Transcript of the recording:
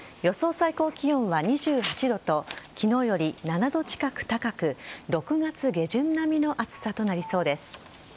最高気温は２８度と昨日より７度近く高く６月下旬並みの暑さとなりそうです。